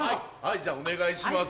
じゃあお願いします。